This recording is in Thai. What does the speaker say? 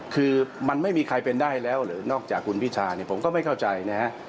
คือมันไม่มีใครเป็นได้แล้วหรือนอกจากคุณพิชาเนี่ยผมก็ไม่เข้าใจนะฮะ